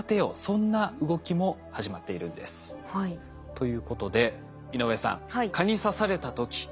ということで井上さん蚊に刺された時気付きますか？